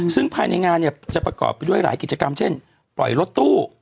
ซึ่งภายในงานเนี่ยจะประกอบไปด้วยหลายกิจกรรมเช่นปล่อยรถตู้